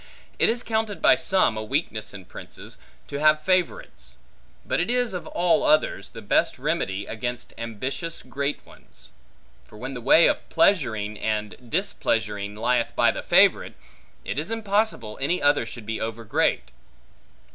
It is counted by some, a weakness in princes, to have favorites; but it is, of all others, the best remedy against ambitious great ones. For when the way of pleasuring, and displeasuring, lieth by the favorite, it is impossible any other should be overgreat.